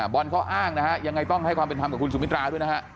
บอลเขาอ้างนะฮะยังไงต้องให้ความเป็นธรรมกับคุณสุมิตราด้วยนะฮะ